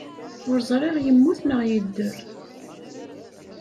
Ur ẓriɣ yemmut neɣ yedder.